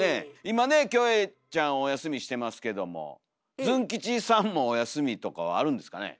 今ねキョエちゃんお休みしてますけどもズン吉さんもお休みとかはあるんですかね。